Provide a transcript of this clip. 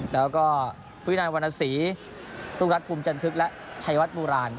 แล้วก็วินัยวรรณสีรุ่งรัฐภูมิจันทึกและชัยวัดโบราณ